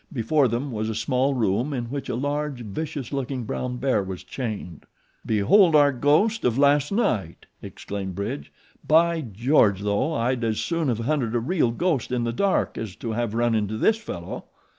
Before them was a small room in which a large, vicious looking brown bear was chained. "Behold our ghost of last night!" exclaimed Bridge. "By George! though, I'd as soon have hunted a real ghost in the dark as to have run into this fellow."